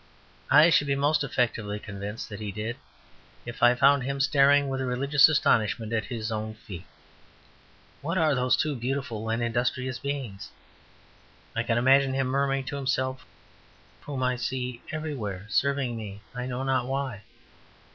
I should be most effectively convinced that he did if I found him staring with religious astonishment at his own feet. "What are those two beautiful and industrious beings," I can imagine him murmuring to himself, "whom I see everywhere, serving me I know not why?